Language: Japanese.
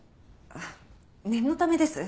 ああ念のためです。